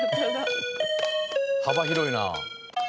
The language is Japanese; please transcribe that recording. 幅広いな。